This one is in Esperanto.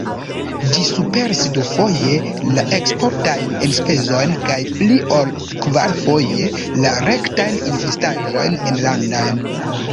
Ĝi superis dufoje la eksportajn enspezojn kaj pli ol kvarfoje la rektajn investaĵojn enlandajn.